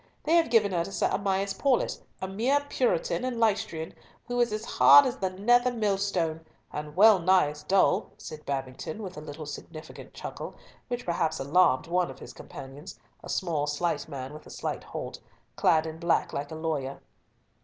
They have given her Sir Amias Paulett, a mere Puritan and Leicestrian, who is as hard as the nether millstone, and well nigh as dull," said Babington, with a little significant chuckle, which perhaps alarmed one of his companions, a small slight man with a slight halt, clad in black like a lawyer.